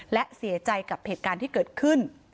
และเสียใจกับเหตุการณ์ที่เกิดขึ้น